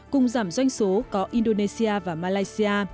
cùng giảm doanh số có indonesia và malaysia